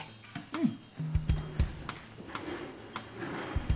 うん？